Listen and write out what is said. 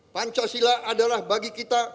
pancasila adalah bagi kita